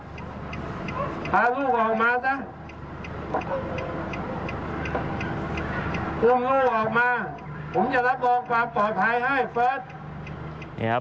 อุ้มลูกออกมาผมจะรับรองความปลอดภัยให้เฟิร์ต